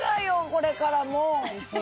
これからもう！